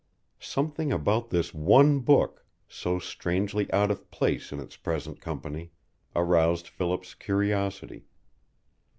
Something about this one book, so strangely out of place in its present company, aroused Philip's curiosity.